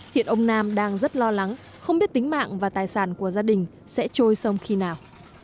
hiện ông nam đang rất lo lắng không biết tính mạng và tài sản của gia đình sẽ trôi sông khi nào